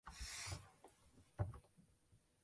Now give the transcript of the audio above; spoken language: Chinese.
母亲为侧室本庄阿玉之方。